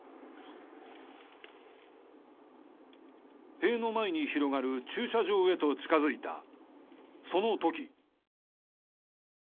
塀の前に広がる駐車場へと近づいたその時。